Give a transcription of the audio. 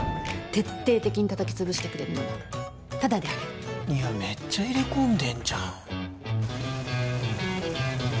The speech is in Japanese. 徹底的に叩き潰してくれるならタダであげるいやめっちゃ入れ込んでんじゃん